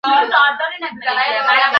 এদের মধ্যেও ভাল লোক থাকতে পারে।